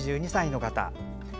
８２歳の方。